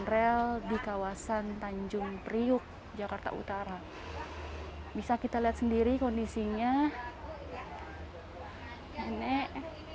rel di kawasan tanjung priok jakarta utara bisa kita lihat sendiri kondisinya hai nek